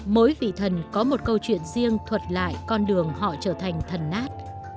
mỗi vị thần có một câu chuyện riêng thuật lại con đường họ trở thành thần nát